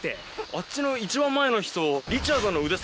あっちの一番前の人。